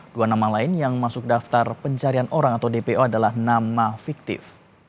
dua nama lain yang masuk daftar pencarian orang atau dpo adalah nama fiktif